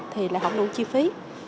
thì lại không đủ chi phí